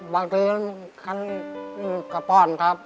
บางทีก็ป้อนครับ